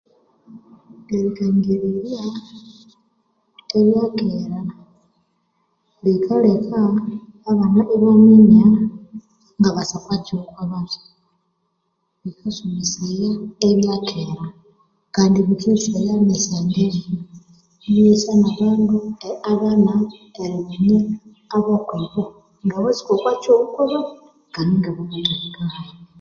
Erisomesya Abana ngabasa bathi okwakihugho